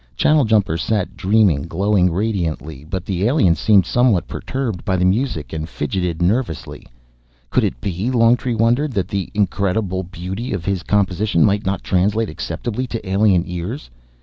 Channeljumper sat dreaming, glowing radiantly, but the alien seemed somewhat perturbed by the music and fidgeted nervously. Could it be, Longtree wondered, that the incredible beauty of his composition might not translate acceptably to alien ears?